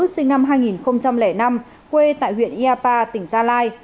sinh năm hai nghìn năm quê tại huyện iapa tỉnh gia lai